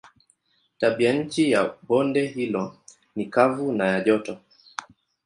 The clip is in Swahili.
Tabianchi ya bonde hilo ni kavu na ya joto.